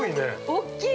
◆大っきい！